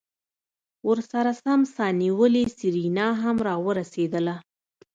ورسرہ سم سا نيولې سېرېنا هم راورسېدله.